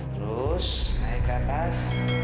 terus naik ke atas